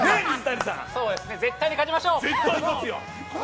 絶対勝ちましょう。